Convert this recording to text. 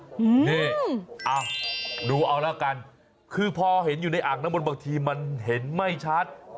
อืมนี่อ้าวดูเอาแล้วกันคือพอเห็นอยู่ในอ่างน้ำมนต์บางทีมันเห็นไม่ชัด